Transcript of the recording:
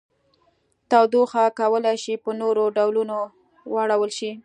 تودوخه کولی شي په نورو ډولونو واړول شي.